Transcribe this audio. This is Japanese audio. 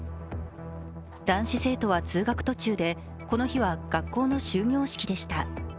男子生徒は通学途中で、この日は学校の終業式でした。